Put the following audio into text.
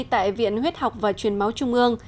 tại viện huyết học và chuyển máu trung ương